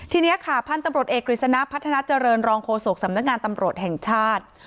ทีนี้ค่ะพันธุ์ตำรวจเอกกฤษณะพัฒนาเจริญรองโฆษกสำนักงานตำรวจแห่งชาติ